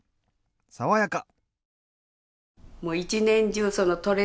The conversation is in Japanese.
爽やか！